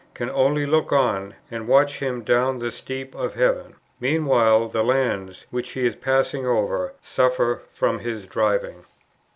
can only look on, and watch him down the steep of heaven. Meanwhile, the lands, which he is passing over, suffer from his driving.